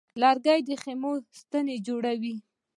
لرګی د خیمو ستنې جوړوي.